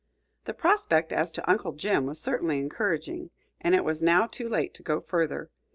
The prospect as to Uncle Jim was certainly encouraging, and it was now too late to go further.